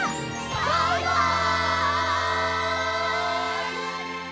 バイバイ！